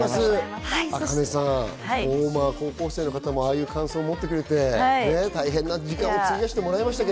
ａｋａｎｅさん、高校生の方もこういう感想をもってくれて、大変な時間を費やしてもらいましたが。